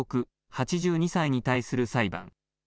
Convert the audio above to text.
８２歳に対する裁判。